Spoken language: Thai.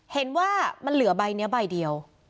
เห็นว่ามันเหลือใบนี้ใบเดียว